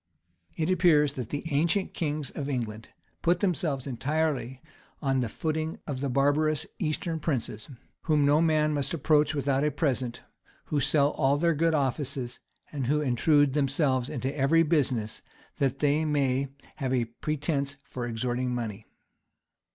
] It appears that the ancient kings of England put themselves entirely on the footing of the barbarous Eastern princes, whom no man must approach without a present, who sell all their good offices, and who intrude themselves into every business, that they may have a pretence for extorting money.